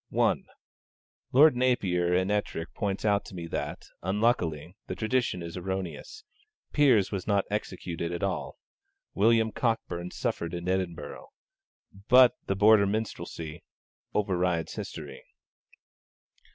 (1) Lord Napier and Ettrick points out to me that, unluckily, the tradition is erroneous. Piers was not executed at all. William Cockburn suffered in Edinburgh. But the Border Minstrelsy overrides history.